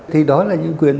thì đó là những quyển